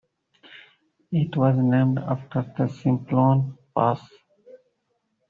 It was named after the Simplon Pass.